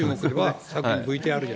さっきのＶＴＲで。